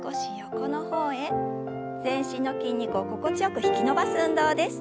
全身の筋肉を心地よく引き伸ばす運動です。